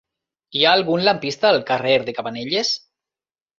Hi ha algun lampista al carrer de Cabanelles?